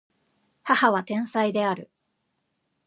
母は天才である